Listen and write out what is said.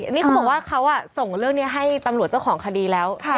นี่เขาบอกว่าเขาส่งเรื่องนี้ให้ตำรวจเจ้าของคดีแล้ว